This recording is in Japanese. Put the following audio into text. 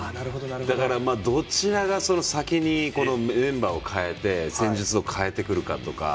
だから、どちらが先にメンバーを代えて戦術を変えてくるかとか。